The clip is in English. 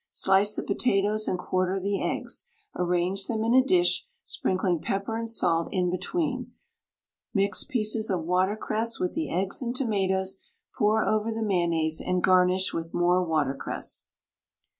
Slice the potatoes, and quarter the eggs. Arrange them in a dish, sprinkling pepper and salt in between; mix pieces of watercress with the eggs and tomatoes, pour over the mayonnaise, and garnish with more watercress.